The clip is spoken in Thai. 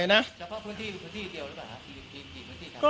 เฉพาะพื้นที่พื้นที่เดียวหรือเปล่าหรือเปลี่ยนพื้นที่เกี่ยวกัน